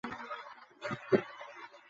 অপর কেহ উহা বলিয়া দিতে পারে না।